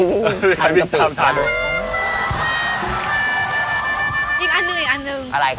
อีกอันหนึ่ง